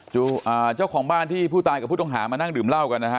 เจ้าของบ้านที่ผู้ตายกับผู้ต้องหามานั่งดื่มเหล้ากันนะฮะ